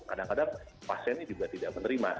kadang kadang pasien ini juga tidak menerima